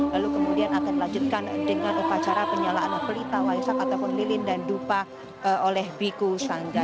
lalu kemudian akan dilanjutkan dengan upacara penyalaan pelita waisak ataupun lilin dan dupa oleh biku sangga